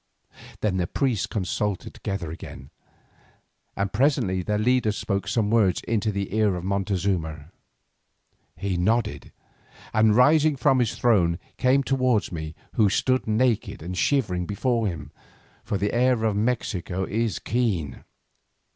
Then the priests consulted together again, and presently their leader spoke some words into the ear of Montezuma. He nodded, and rising from his throne, came towards me who stood naked and shivering before him, for the air of Mexico is keen.